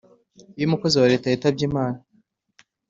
iyo umukozi wa leta yitabye imana,